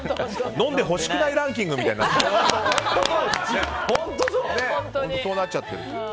飲んでほしくないランキングみたいになってる。